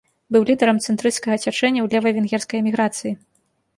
Быў лідарам цэнтрысцкага цячэння ў левай венгерскай эміграцыі.